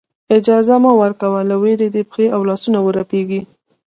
اجازه مه ورکوه له وېرې دې پښې او لاسونه ورپېږي.